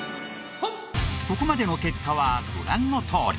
ここまでの結果はご覧のとおり。